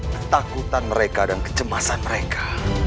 ketakutan mereka dan kecemasan mereka